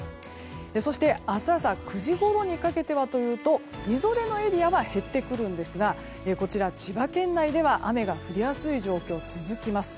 そして明日朝９時ごろにかけてはみぞれのエリアは減ってくるんですが千葉県内では雨が降りやすい状況が続きます。